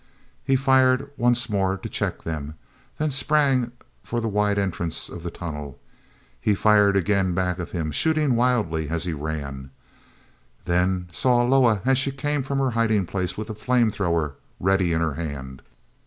He fired once more to check them, then sprang for the wide entrance of the tunnel. He fired again back of him, shooting wildly as he ran, then saw Loah as she came from her hiding place with the flame thrower ready in her hand.